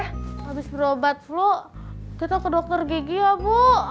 habis berobat flu kita ke dokter gigi ya bu